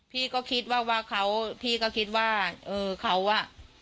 พี่ก็คิดว่าว่าเขาพี่ก็คิดว่าเออเขาอ่ะ